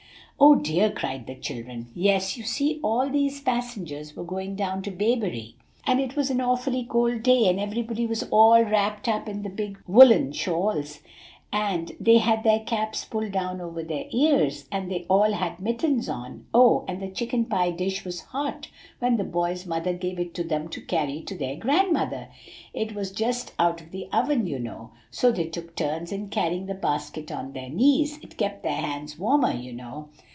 "Oh, dear!" cried the children. "Yes; you see all these passengers were going down to Bayberry, and it was an awfully cold day, and everybody was all wrapped up in big woolen shawls, and they had their caps pulled down over their ears, and they all had mittens on. Oh! and the chicken pie dish was hot when the boys' mother gave it to them to carry to their grandmother. It was just out of the oven, you know; so they took turns in carrying the basket on their knees. It kept their hands warmer, you know."